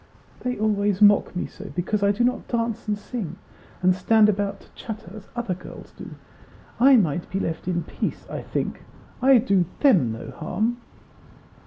"They always mock me so, because I do not dance and sing, and stand about to chatter, as other girls do. I might be left in peace, I think; I do THEM no harm."